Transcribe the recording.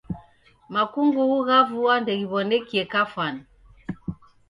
Makungughu gha vua ndeghiwonekie kafwani